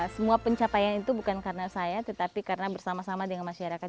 semua pencapaian itu bukan karena saya tetapi karena bersama sama dengan masyarakat